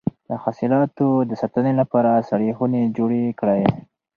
د حاصلاتو د ساتنې لپاره سړې خونې جوړې کړئ.